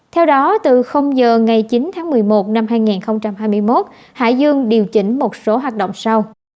theo đó từ giờ ngày chín tháng một mươi một năm hai nghìn hai mươi một hải dương điều chỉnh một số hoạt động sau